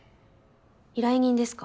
依頼人ですか？